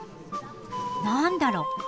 何だろう？